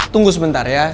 tunggu sebentar ya